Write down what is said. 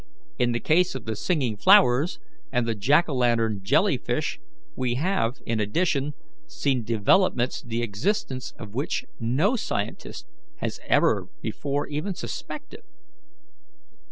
In the case of the singing flowers and the Jack o' lantern jelly fish, we have, in addition, seen developments the existence of which no scientist has ever before even suspected."